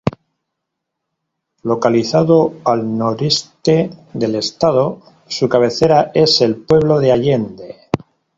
Localizado al noreste del estado, su cabecera es el pueblo de Allende.